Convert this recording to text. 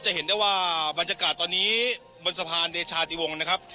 เห็นได้ว่าบรรยากาศตอนนี้บนสะพานเดชาติวงศ์นะครับ